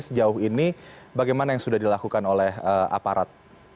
sejauh ini bagaimana yang sudah dilakukan oleh aparat